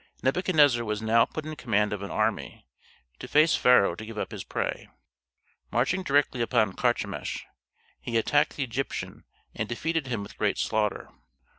Nebuchadnezzar was now put in command of an army, to force Pharaoh to give up his prey. Marching directly upon Carchemish, he attacked the Egyptian and defeated him with great slaughter.